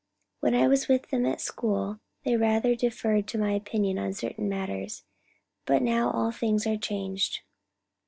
When I was with them at school they rather deferred to my opinion on certain matters, but now all things are changed."